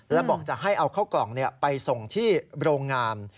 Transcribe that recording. แล้วบอกจะให้เอาเข้ากล่องไปส่งที่โรงงาน